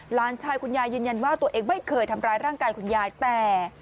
หลานชายคุณยายยืนยันว่าตัวเองไม่เคยทำร้ายร่างกายคุณยายแต่